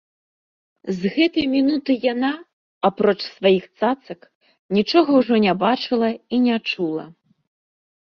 З гэтай мінуты яна, апроч сваіх цацак, нічога ўжо не бачыла і не чула.